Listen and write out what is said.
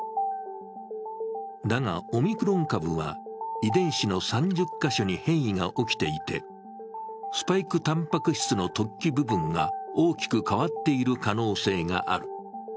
だがオミクロン株は遺伝子の３０カ所に変異が起きていてスパイクたんぱく質の突起部分が大きく変わっている可能性がある。